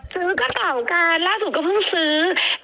ซื้อกระเป๋ากันล่าสุดก็เพิ่งซื้อ